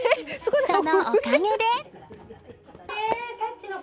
そのおかげで。